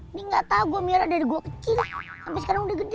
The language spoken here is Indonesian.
ini nggak tau gue miara dari gue kecil sampe sekarang udah gede